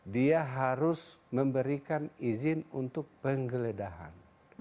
dia harus memberikan izin untuk penggeledahan